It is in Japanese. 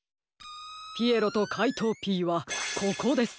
ピエロとかいとうＰはここです！